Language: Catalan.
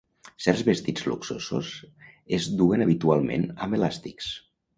Certs vestits luxosos es duen habitualment amb elàstics.